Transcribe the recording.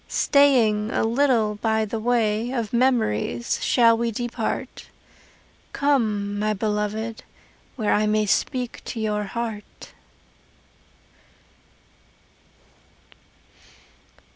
Staying a little by the way Of memories shall we depart. Come, my beloved, where I may Speak to your heart.